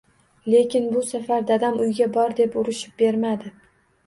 Lekin bu safar dadam “Uyga bor” deb urishib bermadi.